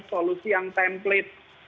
solusi yang template